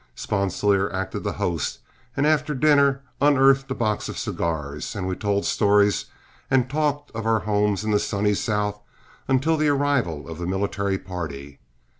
Sponsilier acted the host, and after dinner unearthed a box of cigars, and we told stories and talked of our homes in the sunny South until the arrival of the military party.